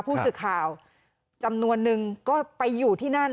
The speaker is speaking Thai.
ผู้สื่อข่าวจำนวนนึงก็ไปอยู่ที่นั่น